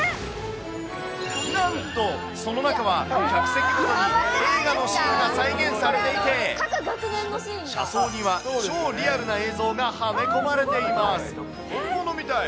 なんと、その中は客席ごとに映画のシーンが再現されていて、車窓には超リアルな映像がはめ込まれています。